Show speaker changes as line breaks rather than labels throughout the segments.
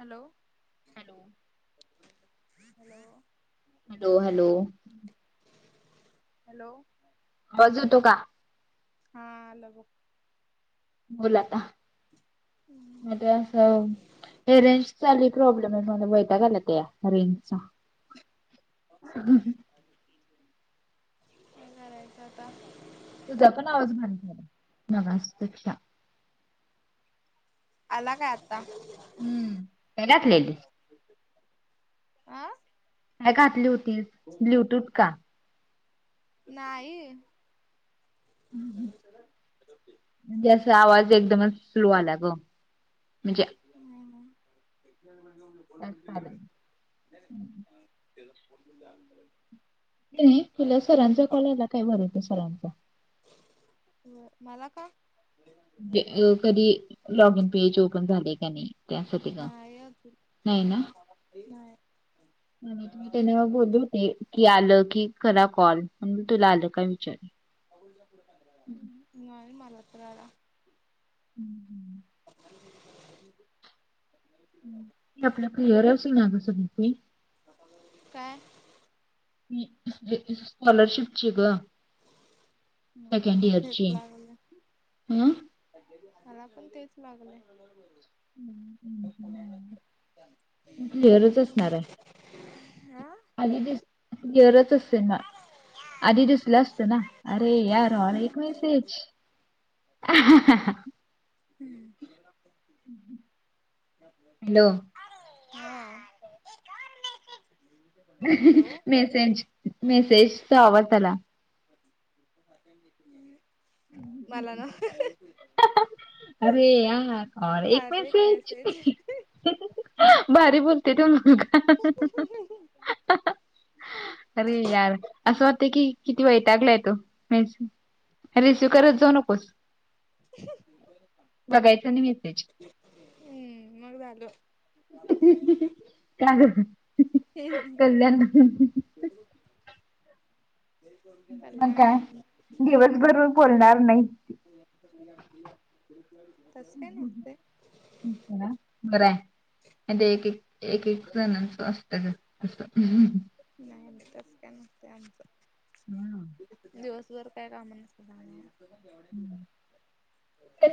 Hello,
hello.
Hello.
Hello hello.
Hello.
आवाज येतो का?
हा आला बो
बोल आता, म्हनजे अस, हे रेंज चा लय प्रॉब्लेम आहे मला वैताग आला त्या रेंजचा.
काय करायचं आता?
तुझा पण आवाज बारीक यायलाय, मगाच पेक्षा.
आला काय आता?
हम्म, काय घातलेली?
आं.
काय घातली होतीस, ब्लुटूथ का?
नाही, [unintelligible]
म्हणजे असा आवाज एकदमच स्लो आला ग, म्हणजे
नाही नाही, [unintelligible]
जास्त आला
त्याचा फोन पण [unintelligible]
कन्हयही तुला सरांचा कॉल आला काय वरुटे सरांचा.
म - मला का?
ते अ कधी, लॉग इन पेज ओपन झालय का नाही? त्यासाठी ग, नाही ना.
नाय.
[unintelligible] बोली होते की आलं की करा कॉल म्हणून तुला आलं का विचारल.
ह् नाही मला तर आला.
[inaudible]
[inaudible]
आपला क्लियरच होईना गं [unintelligible]
काय?
[unintelligible] स्कॉलरशिपची ग.
मला
सेकंड
पण तेच
इयरची,
लागलंय
हं.
मला पण तेच लागलंय.
मी क्लिअरच असणार हाय.
हा
आली दीस, क्लियरच असेन ना. आधी दिसलं असतं ना अरे यार और एक मेसेज. [inaudible]
हम्म. [unintelligible]
हॅलो.
अरे यार, एक और मेसेज.
मेसेज, मेसेजचा आवाज आला.
मला ना.
अरे यार और एक मेसेज भारी बोलतोय. तो मुलगा अरे यार, असं वाटतंय की किती वैताकलाय तो. रिसिव्ह करत जाऊ नकोस.
[unintelligible]
बघायचा नाही मेसेज
हम्म, मग झालं.
का गं. कल्याण मग काय
कल्याण
दिवसभर बोलणार नाही.
तस काय नसतय.
बरं आहे. ते एक एक एक एक जणांचं असतय तसं.
नाही नाही तसं काय नसतय आमच, दिवसभर काय काम नसत्यात आम्हाला,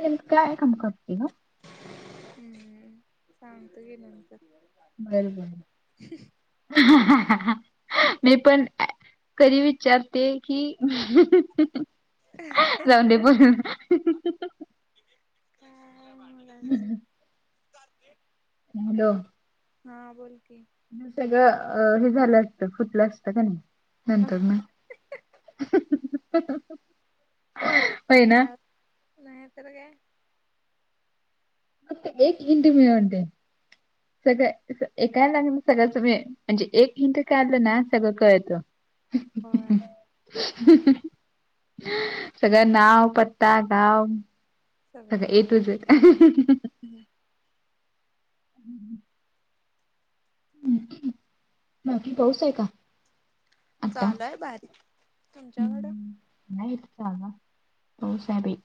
नेमक काय काम करती गं.
हम्म, सांगतो घे नंतर
बरं बरं. मी पण कधी विचारते कि, जाऊ दे. म्हणून,
काय बोल आणि
हॅलो,
हा बोल की
ह सगळं हे झालं असतं फुटलं असतं का नाही. नंतर न
नाही तर काय.
फक्त एक हिंट मिळू दे. सग एका याला सगळ्याच मी म्हणजे एक हिंट काढलं ना सगळं कळत.
होय
सगळं नाव, पत्ता, गाव सगळ ए टू झेड.
ह [unintelligible]
हम्. बाकी पाऊस आहे का आता
चालू आहे बारीक. तुमच्याकडं?
हम्म, नाही इथ आला. पाऊस आहे बाई.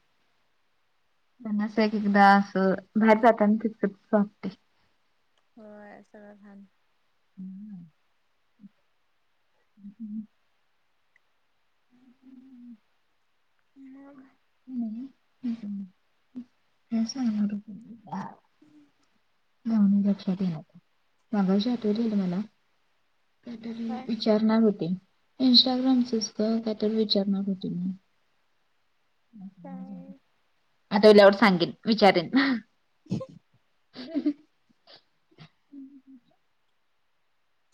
एक एकदा असं बाहेर जाताना--वाटते.
होय. सगळं घाण
हम्म. ह हं. ह [inaudible]
मग
हम हम काय सांगणार आता जाऊदे लक्षात येईना. मगाशी आठवलेलं मला कायतरी
काय
विचा चारणार होते. इंस्टाग्रामचच गं कायतर विचारणार होती मी.
काय?
आठवल्यावर सांगेन विचारेन.
ह [unintelligible]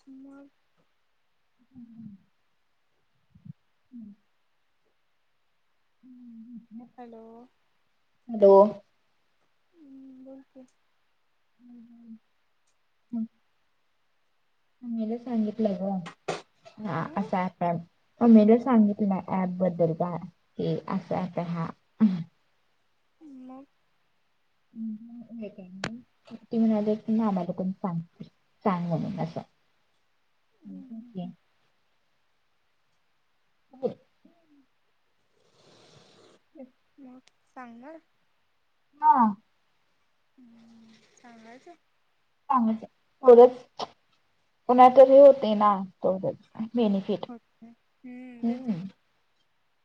मग
हम्म हम्म हम्म. हम्म. हम्म. [inaudible]
हॅलो.
हॅलो.
हम्म बोल की.
हम्म हम्म हम्म हम्म. मला सांगितलं आहे ग हा
हं
असा आकार. अ मला सांगितलं ऍप बद्दल ता हे असा ॲप आहे हा हम्म.
मग.
[inaudible] ते म्हणाले की आम्हाला कोण सांगते. सांग म्हणून अस ते. [inaudible] [inaudible]
सांगनार.
हा.
हम्म चांगायच
[inaudible]
अच्छा.
हम्म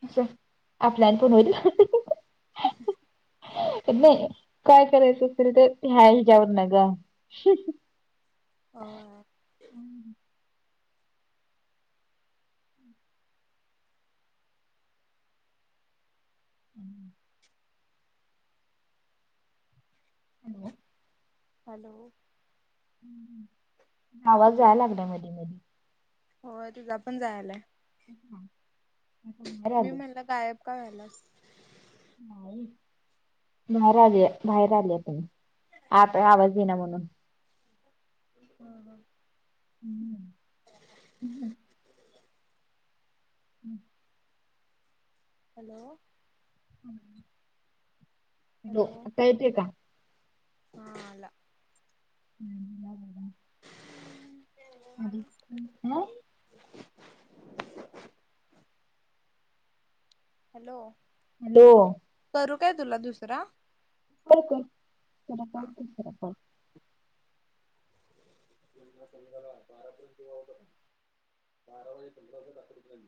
अस आपल्याल पण होईल. [inaudible] नही. काय करायचं असेल तर ह्या हिच्यावरन ग.
होय.
[inaudible] [inaudible]
हॅलो.
आवाज जाय लागलाय मध्ये मध्ये.
होय तुझा पण जायलाय.
हा.
मी म्हणलं गायब का व्हायलास.
नाही. बाहेर आली बाहेर आलीये तरी आता आवाज येईना म्हणून.
हा हा.
[inaudible] [inaudible]
हॅलो.
[inaudible] हो
हॅलो
आता येतोय का?
हा आला.
[inaudible]
[unintelligible] हॅलो.
हॅलो.
करू काय तुला दुसरा?
कर कर. [inaudible]
त्यांना समजवा बारा पर्यंत यायचं म्हणून बारा वाजे [unintelligible] रात्रीची [unintelligible]